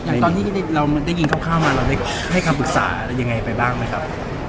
อย่างตอนที่เราได้ยินคร่าวมาเราได้ให้คำปรึกษาอะไรยังไงไปบ้างไหมครับ